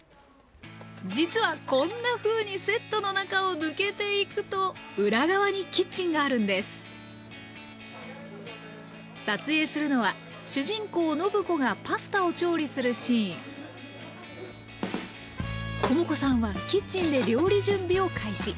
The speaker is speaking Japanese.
実はこんなふうにセットの中を抜けていくと裏側にキッチンがあるんです撮影するのは主人公・暢子がパスタを調理するシーン知子さんはキッチンで料理準備を開始。